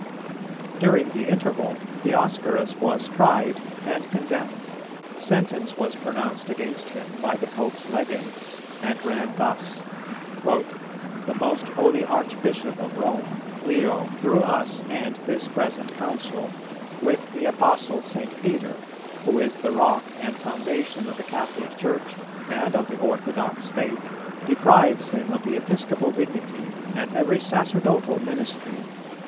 During the interval, Dioscorus was tried and condemned; sentence was pronounced against him by the Pope's Legates, and ran thus: "The most holy Archbishop of Rome, Leo, through us and this present Council, with the Apostle St. Peter, who is the rock and foundation of the Catholic Church and of the orthodox faith, deprives him of the Episcopal dignity and every sacerdotal ministry."